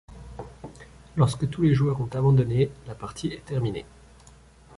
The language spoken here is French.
Lorsque tous les joueurs ont abandonné, la partie est terminée.